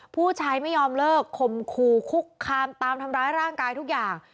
ผู้ชายไม่ยอมเลิกคมคู่คุกคามตามทำร้ายร่างกายทุกอย่าง